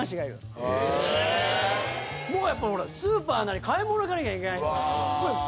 やっぱスーパーなり買い物行かなきゃいけない。